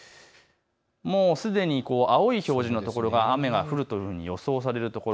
すでに青い表示のところが雨が降るというふうに予想されるところ。